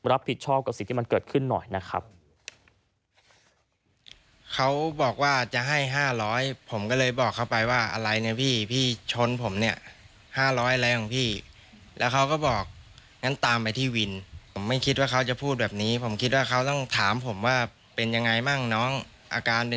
รับผิดชอบกับสิ่งที่มันเกิดขึ้นหน่อยนะครับ